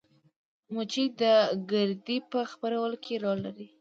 مچۍ د ګردې په خپرولو کې رول لري